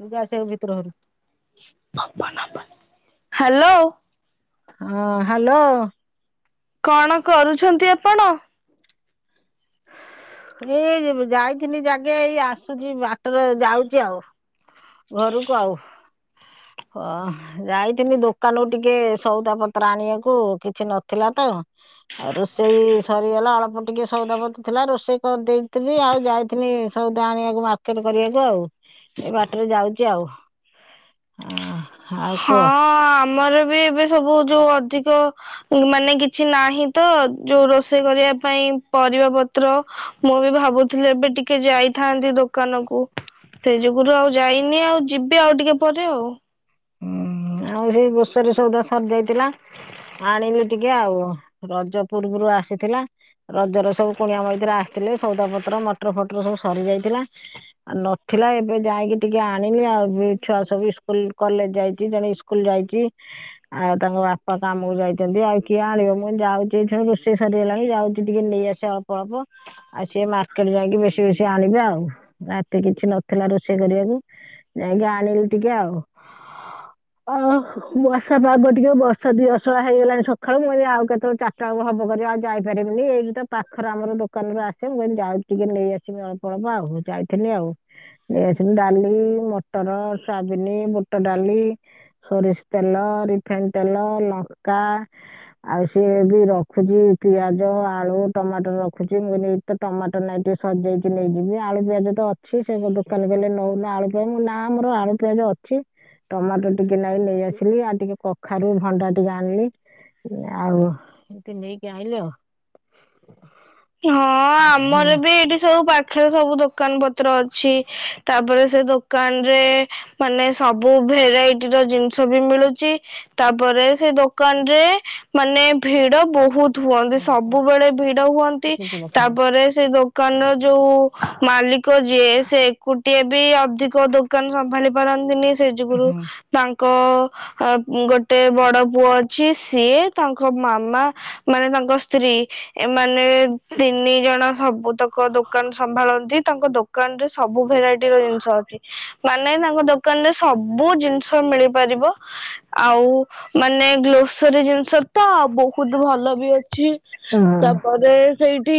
ଉଁ ଜା ସେ ଭିତର ଘରକୁ। ହ୍ୟାଲୋ। ହଁ ହ୍ୟାଲୋ। କଣ କରୁଛନ୍ତି ଆପଣ? ଏଇ ଯାଇଥିନି ଜାଗେ ଏଇ ଆସୁଛି ବାଟରେ ଯାଉଛି ଆଉ ଘରକୁ ଆଉ ହ ଯାଇଥିନି ଦୋକାନରୁ ଟିକେ ସଉଦା ପତ୍ର ଆଣିଆକୁ କିଛି ନଥିଲା ତ? ଆଉ ରୋଷେଇ ସରିଗଲା ଅଳ୍ପ ଟିକେ ସଉଦାପତ ଥିଲା ରୋଷେଇ କରି ଦେଇଥିଲି ଆଉ ଯାଇଥିଲି ସଉଦା ଆଣିଆକୁ ମାର୍କେଟ କରିଆକୁ ଆଉ ଏ ବାଟରେ ଯାଉଚି ଆଉ ଆଁ ହଁ ଆମର ବି ଏବେ ସବୁ ଯୋଉ ଅଧିକ ଉଁ ମାନେ କିଛି ନାହିଁ ତ ଯୋଉ ରୋଷେଇ କରିଆ ପାଇଁ ପରିବା ପ ତ୍ର ମୁଁ ବି ଭାବୁଥିଲି ଏବେ ଟିକେ ଯାଇଥାନ୍ତି ଦୋକାନକୁ। ସେଇ ଯୋଗୁରୁ ଆଉ ଯାଇନି ଆଉ ଯିବି ଆଉ ଟିକେ ପରେ ଆଉ। ହୁଁ ଆଉ ସେଇ ଗୋସରି ସଉଦା ସରି ଯାଇଥିଲା। ଆଣିଲି ଟିକେ ଆଉ ରଜ ପୂର୍ବୁରୁ ଆସିଥିଲା। ରଜର ସବୁ କୁଣିଆ ମୈତ୍ର ଆସିଥିଲେ ସଉଦା ପତ୍ର ମଟର ଫଟର ସବୁ ସରିଯାଇଥିଲା। ଆଉ ନଥିଲା ଏବେ ଯାଇକି ଟିକେ ଆଣିଲି ବି ଆଉ ଛୁଆ ସବୁ ଇସ୍କୁଲ କଲେଜ ଯାଇ ଚି ଜଣେ ଇସ୍କୁଲ ଯାଇଚି। ଆଉ ତାଙ୍କ ବାପା କାମକୁ ଯାଇଚନ୍ତି ଆଉ କିଏ ଆଣିବ ମୁଁ ଏଇ ଯାଉଚି ରୋଷେଇ ସରିଗଲାଣି ଯାଉଚି ଟିକେ ନେଇଆସି ଆଣିଚି ଅଳ୍ପ ଅଳ୍ପ। ଆଉ ସିଏ ମାର୍କେଟ ଯାଇକି ବେଶୀ ବେଶୀ ଆଣିବେ ଆଉ ରାତି କିଛି ନଥିଲା ରୋଷେଇ କରିଆକୁ ଯାଇଁଙ୍କି ଆଣିଲି ଟିକେ ଆଉ ଅ ବର୍ଷା ପାଗ ଟିକେ ବର୍ଷା ଦି ଅସଳା ହେଇଗଲାଣି ସକାଳୁ ମୁ କଇଲି ଆଉ କେତେବେଳେ ଚା [unintelligible] ହବ କରିବ ଆଉ ଯାଇପାରିବିନି ଏଇଠି ତ ପାଖରେ ଆମର ଦୋକାନରୁ ଆସେ ମୁଁ କଇଲି ଯାଉ ଟିକେ ନେଇଆସ ସିବ ଅଳ୍ପ ଅଳ୍ପ ଆଉ ଯାଇଥିଲି ଆଉ। [unintelligible] ଡାଲି, ମଟର, ସୋୟାବିନି, ବୁଟ ଡାଲି ସୋରିଷ ତେଲ, ରିଫାଇନ ତେଲ, ଲଙ୍କା ଆଉ ସିଏ ବି ରଖୁଚି ପିଆଜ, ଆଳୁ, ଟମାଟ ରଖୁଚି ମୁ ନେଇ ତ ଟମାଟ ନାଇଁ ଟିକେ ସଯାଇଚି ନେଇଯିବି ଆଳୁ ପିଆଜ ତ ଅଛି ସେ ଦୋକାନ କଲେ ନଉନ ଆଳୁ ମୁଁ କହିଲି ନା ମୋର ଆଳୁ ପିଆଜ ଅଛି ଟମାଟୋ ଟିକେ ନାକୁ ନେଇ ଆସିଲି ଆଉ ଟିକେ କଖାରୁ ଭଣ୍ଡା ଟିକେ ଆଣିଲି। ଆଉ ଏମତି ନେଇକି ଆଇଲି ଆଉ। ହଁ ଆମର ବି ଏଇଠି ସବୁ ପାଖ ଖରେ ସବୁ ଦୋକାନ ପତ୍ର ଅଛି ତାପରେ ସେ ଦୋକାନ ରେ ମାନେ ସବୁ ଭେରାଇଟିର ଜିନିଷ ବି ମିଳୁଚି। ତାପରେ ସେ ଦୋକାନରେ ମାନେ ଭିଡ ବହୁତ୍ ଠୁ ହୁଅନ୍ତି ହଁ ସବୁବେଳେ ଭିଡ ହୁଅନ୍ତି କିଛି ତାପରେ ସେ ଦୋକାନ ର ଯୋଉ ଉ ମାଲିକ ଯିଏ ସେ ଏକୁଟିଆ ବି ଅଧିକ ଦୋକାନ ସମ୍ଭାଳି ପାରନ୍ତିନି ସେଇ ଯୁଗୁରୁ ଦେଖାଯାଉନି। ତାଙ୍କ ଅ ଗୋଟେ ବଡ ପୁଅ ଅଛି ସିଏ ତାଙ୍କ ମାମା ମାନେ ତାଙ୍କ ସ୍ତ୍ରୀ ଏମାନେ ତିନି ଜଣ ସବୁତକ ଦୋକାନ ସମ୍ଭାଳନ୍ତି ତାଙ୍କ ଦୋକାନରେ ସବୁ ଭେରାଇଟିର ଜିନିଷ ଅଛି। ମାନେ ତାଙ୍କ ଦୋକାନ ରେ ସବୁ ଜିନିଷ ମିଳିପାରିବ। ଆଉ ମାନେ ଗ୍ରୋସେରୀ ଜିନିଷ ତ ବହୁତ ଭଲ ବି ଅଛି। ହଁ। ତାପରେ ସେଇଠି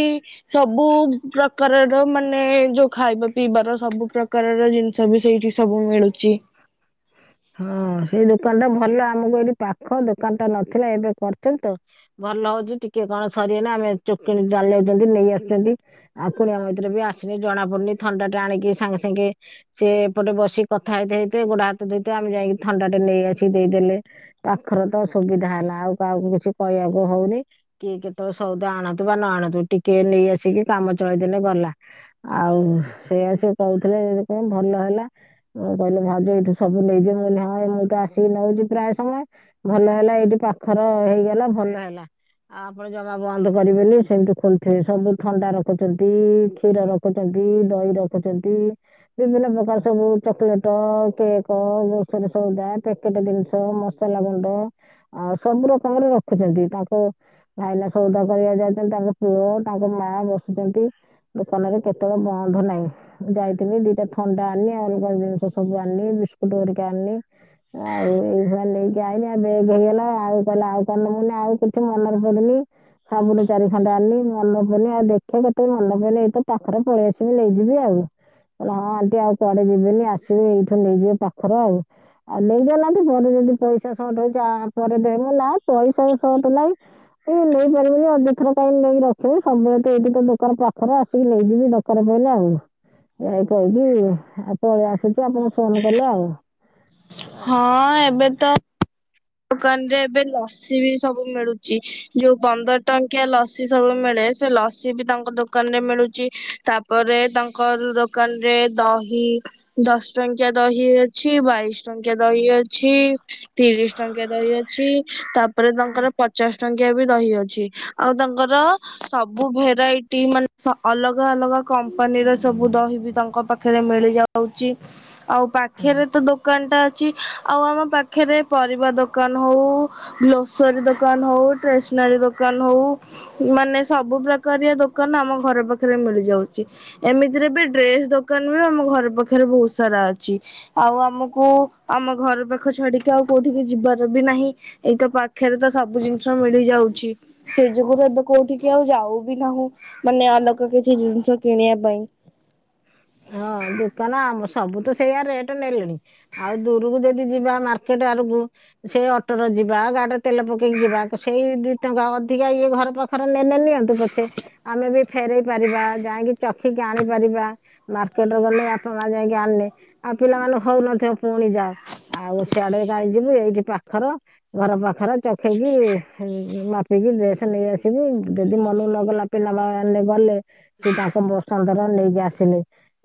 ସବୁ ପ୍ରକାରର ମାନେ ଯୋଉ ଖାଇବା ପିଇବାର ସବୁ ପ୍ରକାରର ଜିନିଷ ବି ସେଇଠି ସବୁ ମିଳୁଚି। ହଁ ସେଇ ଦୋକାନ ଟା ଭଲ ଆମକୁ ଏଇଠି ପାଖ ଦୋକାନ ଟା ନଥିଲା ଏବେ କର ଛନ୍ତି ତ। ଭଲ ହଉଛି ଟିକେ କଣ ସରି ଗଲେ ଆମେ ଚୁପ୍ କିନି ଚାଲି ଯାଉଚନ୍ତି ନେଇ ଆସୁଚନ୍ତି। ଆଉ କୁଣିଆ ମୈତ୍ର ବି ଆସିନେ ଜଣା ପଡୁନି ଥଣ୍ଡା ଟା ଆଣିକି ସାଙ୍ଗେ ସାଙ୍ଗେ ସେ ଏପଟେ ବସିକି କଥା ହେଇତେ ହେଇତେ ଗୋଡେ ହାତ ଧଇଥେ ଆମେ ଯାଇକି ଥଣ୍ଡା ଟେ ନେଇ ଆସିକି ଦେଇଦେଲେ। ପାଖରେ ତ ସୁବିଧା ହେଲା ଆଉ କାହାକୁ କିଛି କହିଆକୁ ହଉନି। କିଏ କେତେବେଳେ ସଉଦା ଆଣନ୍ତୁ ବା ନ ଆଣନ୍ତୁ ଟିକେ ନେଇ ଆସିକି କାମ ଚଳେଇ ଦେଲେ ଗଲା। ଆଉ ସେଇଆ ସେ କହୁଥିଲେ ଭଲ ହେଲା କହିଲେ ଭାଉଜ ଏଇଠୁ ସବୁ ନେଇଯିବ ମୁଁ କହିଲି ହଁ ମୁଁ ତ ଆସିକି ନେଉଚି ପ୍ରାୟେ ସମୟେ ଭଲ ହେଲା ଏଇଠି ପାଖର ହେଇଗଲା ଭଲ ହେଲା ଆପ ଜମା ବନ୍ଦ କରିବେନି ସେମତି ଖୋଲୁଥିବେ ସବୁ ଥଣ୍ଡା ରଖୁଚନ୍ତି କ୍ଷୀର ର ରଖୁଚନ୍ତି ଦହି ରଖୁଚନ୍ତି ବିଭିନ୍ନ ପ୍ରକାର ସବୁ ଚକୋଲେଟ କେକ୍ କ ଗ୍ରସରି ସଉଦା ପ୍ୟାକେଟ ଜିନିଷ ମସଲା ଗୁଣ୍ଡ ଆଉ ସବୁ ରକମର ରଖୁଛନ୍ତି ତାଙ୍କୁ ଭାଇନା ସଉଦା କରିବାକୁ ଯାଇଚନ୍ତି ତାଙ୍କ ପୁଅ ତାଙ୍କ ମା ବସୁଚନ୍ତି। ଦୋକାନରେ କେତେବେଳେ ବନ୍ଦ ନାଇଁ ଯାଇଥିଲି ଦିଟା ଥଣ୍ଡା ଆଣିଲି ଆଉରୀ ଅଲଗା ଅଲଗା ଜିନିଷ ସବୁ ଆଣିଲି ବିସ୍କୁଟୁ ହେଲେ ହେରିକା ଆଣଲି ଆଉ ଏଇ ଭଳିଆ ନେଇକି ଆାଇଲି ବେଗେ ହେଇଗଲା ଆଉ କହିଲା ଆଉ କଣ ନେବୁ ମୁଁ ଆଉ କିଛି ମନରେ ପଡନି। ସବୁନୁ ଚାରି ଖଣ୍ଡ ଆଣିଲି ମନ ପଡୁନି ଆଉ ଦେଖେ କେତେ ମନେ ପଡୁନି ଏଇ ତ ପାଖରେ ପଳେଇ ଆସିବି ନେଇଯିବି ଆଉ କହିଲା ହଁ ଆଣ୍ଟି ଆଉ କୁଆଡେ ଯିବେନି ଆସିବେ ଏଇଠୁ ନେଇଯିବେ ପାଖରେ ଆଉ ଆଉ ନେଇଗଲାଠୁ ପରେ ଯଦି ପଇସା ସଟ୍ ହଉଚି ପରେ ଦେଇଦେଲା ପଇସା ସଟ୍ ନାଇଁ ହୁଁ ନେଇପାରିବୁନି ଅଯ ପଛରେ କାଇଁ ନେଇ ରଖିବି ସବୁବେଳେ ତ ଏଇଠି ତ ଦୋକାନ ପାଖରେ ଆସିକି ନେଇଯିବି ଦରକାର ପହିଲେ ଆଉ ଏଇ କହିକି ପଳେଇ ଆସୁଛି ଆପଣ ଫୋନ କଲେ ଆଉ ଏଇଆ ଆଉ ହଁ ଏବେତ ଦୋକାନରେ ଏବେ ଲସ ସି ବି ସବୁ ମିଳୁଚି ଯୋଉ ପନ୍ଦର ଟଙ୍କିଆ ଲସି ସବୁ ମିଳେ ସେ ଲସି ବି ତାଙ୍କ ଦୋକ୍ ଦୋକାନରେ ମିଳୁଚି ତାପରେ ତାଙ୍କ ଦୋକାନରେ ଦହି ଦଶ ଟଙ୍କିଆ ଦହି ବି ଅଛି ବାଇଶୀ ଟ ଟଙ୍କିଆ ଦହି ଅଛି ତିରିଶି ଟଙ୍କିଆ ଦହି ଅଛି ତାପରେ କ'ଣ ତାଙ୍କର ପଚାଶ ଟଙ୍କ ଆ ବି ଦହି ଅଛି ଆଉ ତାଙ୍କର ସବୁ ଭେରାଇଟି ମାନେ ଅଲଗା ଅଲଗା କମ୍ପାନୀର ସବୁ ଦହି ବି ତାଙ୍କ ପାଖ୍ ଖରେ ମିଳି ଯାଉଚି [inaudible] ଆଉ ପାଖରେ ତ ଦୋକାନ ଟା ଅଛି ଆଉ ଆମ ପାଖରେ ପରିବା ଦୋକାନ ହୋଉ ଗ୍ଲଷୋରୀ ଦୋକାନ ହୋଉ ଷ୍ଟେସନାରୀ ଦୋକାନ ହଉ ମାନେ ସବୁ ପ୍ରକାରିଆ ଦୋକାନ ଆମ ଘର ପାଖରେ ମିଳିଯାଉଚି। ଏମିତିରେ ବି ଡ୍ରେସ ଦୋକାନ ବି ଆମ ଘର ପାଖରେ ବହୁତୁ ସାରା ଅଛି ଆଉ ଆମୁ କୁ ଆମ ଘର ପାଖ ଛାଡିକି ଆଉ କୋଉଠିକି ଯିବାର ବି ନାହିଁ। ଏଇତ ପାଖରେ ତ ସବୁଜିନିଷ ମିଳି ଯାଉଚି ସେ ଯୋଗୁରୁ ଏବେ କୋଉଠିକୁ ଆଉ ଯାଉବି ନାହୁଁ ମାନେ ଅଲଗା କିଛି ଜିନିଷ କିଣିବା ପାଇଁ ହଁ ଦୋକାନ ଆମ ସବୁତ ସେଇଆ ରେଟ୍ ନେଲେଣୀ ଆଉ ଦୂରକୁ ଯଦି ଯିବା ମାର୍କେଟ ଆଡକୁ ସେ ଅଟର ଯିବା ଗାଡ଼ିରେ ତେଲ ପକେଇକି ଯିବା ସେଇ ଦି ଟଙ୍କା ଅଧିକା ଇଏ ଘର ପାଖ ଥର ନେଲେ ନିଅନ୍ତୁ ପଛେ ଆମେ ବି ଫେରେଇ ପାରିବା ଯାଇକି ଚାଖିକି ଆଣି ପାରିବା ମାର୍କେଟର ଗଲେ ବାପା ମା ଯାଇକି ଆଣିଲେ ଆଉ ପିଲାମାନେ ହଉନଥିବେ ପୁଣି ଯା ଆଉ ସିଆଡେ ଗାଇଯିବୁ ଏଇଠି ପାଖର, ଘର ପାଖରେ ଚଖେଇକି ମାପିକି ଡ୍ରେସ୍ ନେଇଆସିବୁ ଯଦି ମନକୁ ନଗଲା ପିଲାବାନେ ଗଲେ ସିଏ ତାଙ୍କ ବସନ୍ଦର ନେଇକି ଆସିଲେ।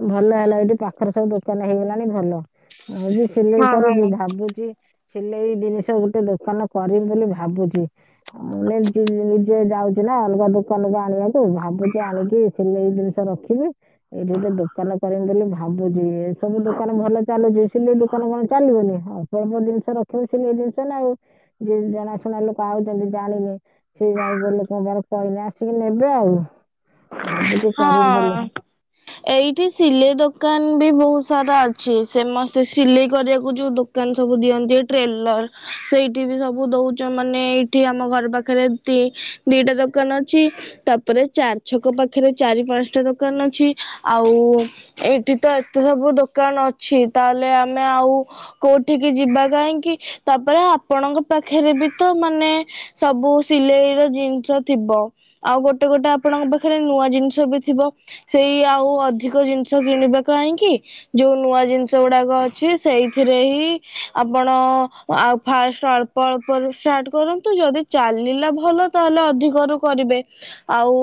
ଭଲ ହେଲା ଏଇଠି ପାଖରେ ସବୁ ଦୋକାନ ହେଇଗଲାଣି ଭଲ। ମୁଁ ବି ସିଲେଇ ହଁ କରୁଛି ହଁ। ଭାବୁଛି। ସିଲେଇ ଜିନିଷ ଗୋଟେ ଦୋକାନ କରିବି ବୋଲି ଭାବୁଛି, [unintelligible] ଯୋଉ [unintelligible] ଥିଲା ଅଲଗା ଦୋକାନରୁ ଆଣିବାକୁ ଭାବୁଛି ଆଣିକି ସିଲେଇ ଜିନିଷ ରଖିବି। ଏଠି ଗୋଟେ ଦୋକାନ କରିବା ବୋଲି ଭାବୁଚିଏ। ସବୁ ଦୋକାନ ଭଲ ଚାଲୁଚି ସିଲେଇ ଦୋକାନ କଣ ଚାଲିବନି ଆଉ। ସବୁ ଜିନିଷ ରଖିବୁ ସିଲେଇ ଜିନିଷ ନା ଆଉ ଯିଏ ଜଣାଶୁଣା ଲୋକ ଆଉଚନ୍ତି ଜାଣିବେ। ସିଏ ଯାଇକି ଲୋକଙ୍କ ପାଖରେ କହିଲେ ଆସିକି ନେବେ ଆଉ ଭାବୁଚି କରିବି ବୋଲି। ହଁ ଏଇଠି ସିଲେଇ ଦୋକାନ ବି ବହୁତ ସାରା ଅଛି, ଫେମସ ସମସ୍ତେ ସିଲେଇ କରିବାକୁ ଯୋଉ ଦୋକାନ ସବୁ ଦିଅନ୍ତି ଟ୍ରେଲର ସେଇଠି ବି ସବୁ ଦଉଛ ମାନେ ଏଇଠି ଆମ ଘର ପାଖରେ ଦି ଦିଟା ଦୋକାନ ଅଛି। ତାପରେ ଚାରି ଛକ ପାଖରେ ଚାରି ପାଞ୍ଚଟା ଦୋକାନ ଅଛି ଆଉ। ଏଇଠି ତ ଏତେ ସବୁ ଦୋକାନ ଅଛି ତାହେଲେ ଆମେ ଆଉ, କୋଉଠିକି ଯିବା କାହିଁକି, ତାପରେ ଆପଣଙ୍କ ପାଖରେ ବି ତ ମାନେ ସବୁ ସିଲେଇ ର ଜିନିଷ ଥିବ ଆଉ ଗୋଟେ ଗୋଟେ ଆ ଆପଣଙ୍କ ପାଖରେ ନୂଆ ଜିନିଷ ବି ଥିବ ସେଇ ଆଉ ଅଧିକ ଜିନିଷ କିଣିବା କାହିଁକି। ଯୋଉ ନୂଆ ଜିନିଷ ଗୁଡାକ ଅଛି ସେଇଥିରେ ହିଁ ଆପଣ ଆଉ ଫାଷ୍ଟ ଅଳ୍ପ ଅଳ୍ପ ରୁ ଷ୍ଟାର୍ଟ କରନ୍ତୁ, ଯଦି ଚାଲିଲା ଭଲ ତାହେଲେ ଅଧିକରୁୁ କରିବେ ଆଉ,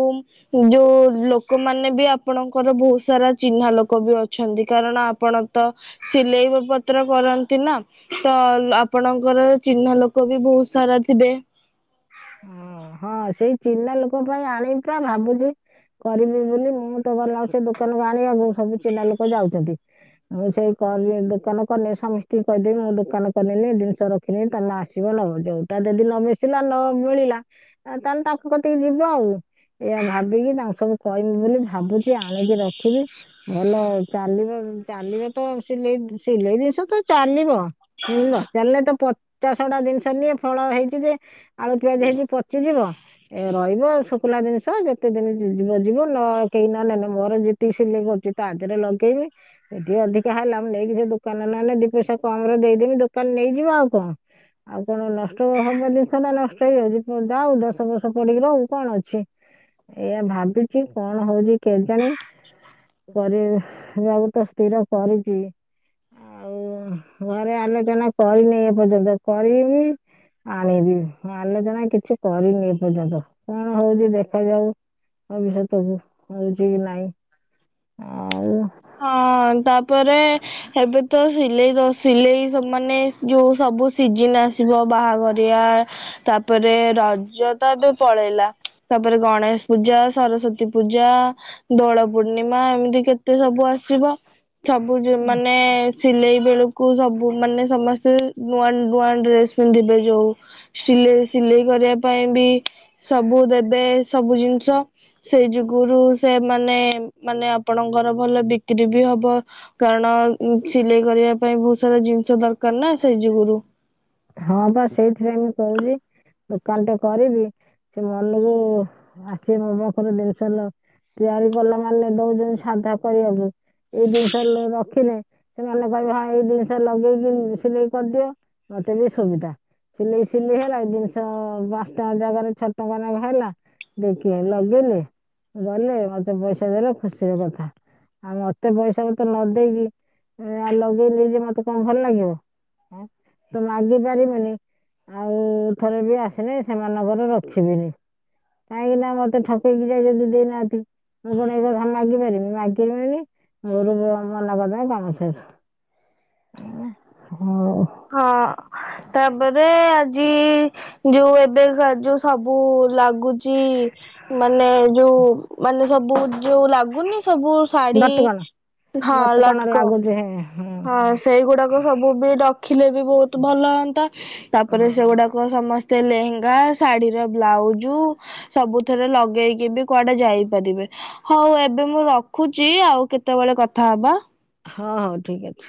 ଯୋଉ ଲୋକ ମାନେ ବି ଆପଣଙ୍କର ବହୁତ ସାରା ଚିହ୍ନା ଲୋକ ବି ଅ ଅଛନ୍ତି କାରଣ ଆପଣ ତ ସିଲେଇ ପତ୍ର କରନ୍ତି ନା। ତ ଆପଣଙ୍କର ଚିହ୍ନା ଲୋକ ବି ବହୁତ ସାରା ଥିବେ। ହଁ ହଁ ସେଇ ଚିହ୍ନା ଲୋକ ପାଇଁ ଆଣିିବା ଭାବୁଛି। କରିବି ବୋଲି ମୁଁ ତ ଗଲା ସେ ଦୋକାନକୁ ଆଣିବାକୁ ସବୁ ଚିହ୍ନା ଲୋକ ଯାଉଛନ୍ତି। ମୁଁ ସେଇ କଲ୍ ରେ ଦୋକାନ କଲେ ସମସ୍ତଙ୍କୁ କହିଦେବି ମୁଁ ଦୋକାନ କଲେନି ଜିନିଷ ର [unintelligible] ଆସିବ ନବ ଯୋଉଟା ଦଦି ନ ମିିସିଲା ନ ମିଳିଲା ତାହେଲେ ତା ପାଖ କତିକି ଯିବ ଆଉ। ଏଇଆ ଭାବିକି ତାଙ୍କୁ ସବୁ କହିବି ବୋଲି ଭାବୁଛି ଆଣିକି ରଖିବି। ଭଲ ଚାଲିବ ଚାଲିବ ତ ସିଲେଇ ସିଲେଇ ଦିନଷ ତ ଚାଲିବ। ଯୋଦି ନ ଚାଲିଲା ତ ପଚା ସଢା ଜିନିଷ ନୁଏ ଫଳ ହେଇଛି ଯେ ଆଉ ଚେଞ୍ଜ ହେଇକି ପଚିଯିବ। ଏ ରହିବ ଶୁଖୁିଲା ଜିନିଷ ଯେତେ ଦିନ ଯିବ ଯିବ ନ କେହି ନ ନେଲେ ମୋର ସ କରଛି ତା ଦେହରେ ଲଗେଇବି ଏଠି ଅଧିକା ହେଲା ମୁଁ ନେଇକି ସେ ଦୋକାନ ନହେଲେ ଦି ପଇସା କମ୍ ରେ ଦେଇଦେବି ଦୋକାନ ନେଇଯିବ ଆଉ କଣ। ଆଉ କଣ ନଷ୍ଟ ହବ ଜିନିଷଟ ନାଁ। ଚଉ ଯାହା ହଉ ଦଶ ବର୍ଷ ପଡିକି ରହୁ କଣ ଅଛି। ଏଆା ଭାବିଛି କଣ ହଉଛି କେଜାଣି। ଘରେ ଯାହା ହଉ ତ ସ୍ଥିର କରିଛି। ଆଉ ଘରେ ଆଲୋଚନା କରିନି ଏପର୍ଯ୍ୟନ୍ତ କରିବି। ଆଣିବି ଆଲୋଚନା କିଛି କରିନି ଏ ପର୍ଯ୍ୟନ୍ତ କଣ ହଉଛି ଦେଖାଯାଉ। ଭବିଶ୍ୱତ କୁ ହଉଛି କି ନାଇଁ ଆଉ। ହଁ ତାପରେ ଏବେ ତ ସିଲେଇ ର ସିଲେଇ ସମାନେ ଯୋଉ ସବୁ ସିଜିନ୍ ଆସିବ ବାହାଘରଆ ତାପରେ ରଜ ତ ଏବେ ପଳେଇଲା। ତାପରେ ଗଣେଶ ପୂଜା, ସରସ୍ଵତୀ ପୂଜା, ଦୋଳ ପୂର୍ଣିମା ଏମିତି କେ ସେ ସବୁ ଆସିବ। ସବୁ ସେ ମାନେ ସିଲେଇ ବେଳକୁ ସବୁ ମାନେ ସମସ୍ତେ ନୂଆ ନୂଆ ଡ୍ରେସ ପିନ୍ଧିବେ ଯୋଉ ସିଲେଇ ସିଲେଇ କରିବା ପାଇଁ ବି ସବୁ ଦେବେ। ସବୁ ଜିନିଷ। ସେଇ ଯୁଗୁରୁ ସେମାନେ ମାନେ ଆପଣଙ୍କର ଭଲ ବିକ୍ରି ବି ହବ। କାରଣ ସିଲେଇ କରିବା ପାଇଁ ବହୁତ ସାରା ଜିନିଷ ଦରକାର ନା ସେଇ ଯୁଗୁରୁ। ହଁ ବା ସେଇଥିପାଇଁ ମୁଁ କହୁଛି। ଦୋକାନ ଟେ କରିବି। ସେ ମନକୁ ଆସିବେ ମୋ ପାଖରୁ ଜିନିଷ ନ ତିଆରି କଲା ମାନେ ଦଉଛନ୍ତି ସାଧା କରିବାକୁ। ଏଇ ଜିନିଷ ରଖିଲେ ସେମାନେ କହିବେ ହଁ ଏଇ ଜିନିଷ ଲଗେଇକି ସିଲେଇ କରିଦିଅ। ମତେ ବି ସୁବିଧା। ସିଲେଇ ସିଲେଇ ହେଲା। ଜିନିଷ ପାଞ୍ଚ ଟଙ୍କା ଜାଗାରେ ଛଅ ଟଙ୍କା ନେକା ହେଲା। ଦେଖି ଲଗେଇଲେ ଗଲେ। ମତେ ପଇସା ଦେଲେ ଖୁସିର କଥା। ଆଉ ମତେ ପଇସା ପତର ନଦେଇକି, ଆଉ ଲଗେଇ ନେଇ ଯିବେ ମତେ କଣ ଭଲ ଲାଗିବ? ମୁଁ ତ ମାଗି ପାରିବିନି। ଆଉ ଥରେ ବି ଆସିଲେ ସେମାନଙ୍କର ରଖିବିନି। କାହିଁକି ନା ମତେ ଠକିକି ଯାଇଛନ୍ତି ଦେଇନାହାନ୍ତି। ମୁଁ କଣ ଏକଥା ମାଗି ପାରିବି? ମାଗିବିିନି। ମୂଳରୁ ମୁଁ ମୋର ମନା କରିଦେବି କାମସଇଲା ହଉ ହୁଁ ହଁ [unintelligible] ତାପରେ ଆଜି ଯୋଉ ଏବେ କା ଯୋଉ ସବୁ ଲାଗୁଚି ମାନେ ଯୋଉ ମାନେ ସବୁ ଯୋଉ ଲାଗୁ ଲାଗୁନି ସବୁ ଶାଢୀ? ହଁ ଲଟକନ। ଉଁ ହୁଁ ହଁ ସେଇଗୁଡାକ ସବୁ ବି ରଖିଲେ ବି ବହୁତ ଭଲ ହଅନ୍ତା। ତାପରେ ହଁ ସେଗୁଡାକ କ ସମସ୍ତେ ଲେହେଙ୍ଗା ଶାଢୀର ବ୍ଲାଉଜ ସବୁଥେରେ ଲଗେଇକି ବି କୁଆଡେ ଯାଇପାରିବେ। ହଉ ଏବେ ମୁଁ ରଖୁଛି। ଆଉ କେତେବେଳେ କଥା ହବା। ହଁ ହଉ। ଠିକ ଅଛି।